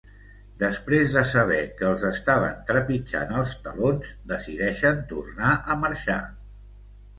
Després de saber que els estaven trepitjant els talons decideixen tornar a marxar.